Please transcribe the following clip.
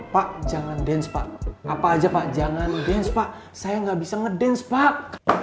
pak jangan dance pak apa aja pak jangan dance pak saya gak bisa ngedance pak